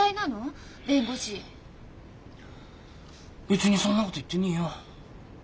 別にそんなこと言ってねえよ。